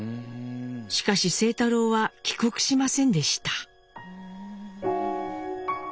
しかし清太郎は帰国しませんでした。